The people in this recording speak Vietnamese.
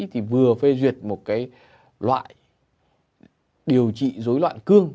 thì vừa phê duyệt một cái loại điều trị dối loạn cương